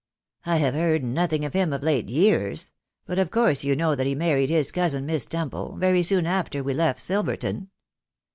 " I have heard nothing of him of late years ; but of course you know that he married his cousin, Miss Temple, very soon after we left Silverton."